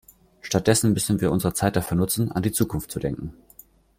Statt dessen müssen wir unsere Zeit dafür nutzen, an die Zukunft zu denken.